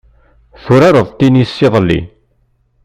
Turareḍ tinis iḍelli.